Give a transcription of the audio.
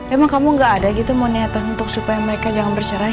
emang kamu gak ada gitu mau niatan untuk supaya mereka jangan bercerai